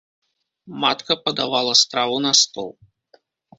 Матка падавала страву на стол.